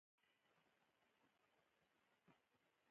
کوتره د طبیعت دوست ده.